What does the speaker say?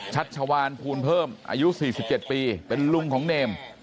ชัดชวานภูลเพิ่มอายุสี่สิบเจ็ดปีเป็นลุงของเนม